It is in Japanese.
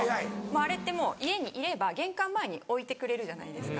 あれって家にいれば玄関前に置いてくれるじゃないですか。